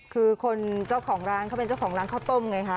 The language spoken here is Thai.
คือคนเจ้าของร้านเขาเป็นเจ้าของร้านข้าวต้มไงคะ